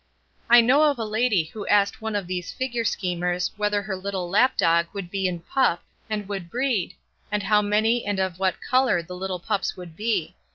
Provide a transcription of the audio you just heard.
I know of a lady who asked one of these figure schemers whether her little lap dog would be in pup and would breed, and how many and of what colour the little pups would be.